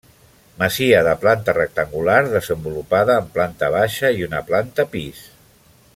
Masia de planta rectangular desenvolupada en planta baixa i una planta pis.